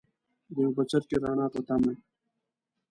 د یو بڅرکي ، رڼا پۀ تمه